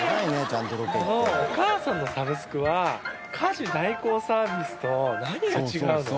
お母さんのサブスクは家事代行サービスと何が違うの？